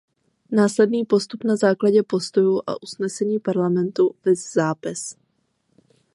Následný postup na základě postojů a usnesení Parlamentu viz zápis.